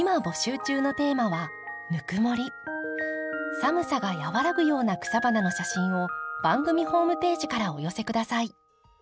寒さが和らぐような草花の写真を番組ホームページからお寄せ下さい。